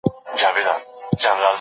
هغه کتاب زما ډېر زیات خوښ سو.